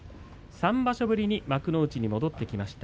３場所ぶりに幕内に戻ってきました。